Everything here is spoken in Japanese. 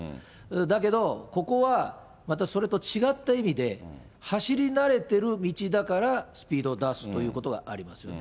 だけど、ここはまたそれと違った意味で走り慣れてる道だから、スピードを出すということがありますよね。